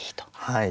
はい。